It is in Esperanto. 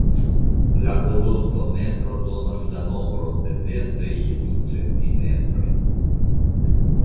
La odontometro donas la nombron de dentoj je du centimetroj.